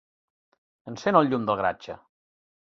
Encén el llum del garatge.